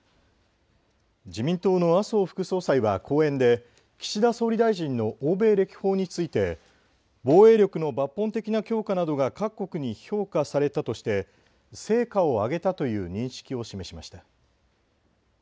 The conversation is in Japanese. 自民党の麻生副総裁は講演で岸田総理大臣の欧米歴訪について防衛力の抜本的な強化などが各国に評価されたとして成果を上げたという認識を示しました。